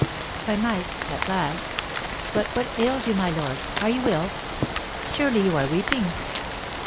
I might, at last But what ails you, my lord? Are you ill? Surely you are weeping!"